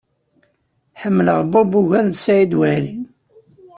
Ḥemmleɣ Bob ugar n Saɛid Waɛli.